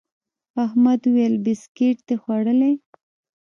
احمد وويل: بيسکیټ دي خوړلي؟